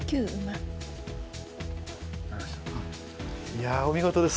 いやお見事です。